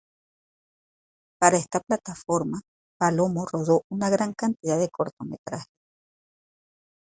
Para esta plataforma, Palomo rodó una gran cantidad de cortometrajes.